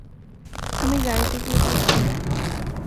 আমি গাড়িতে গিয়ে বসছি।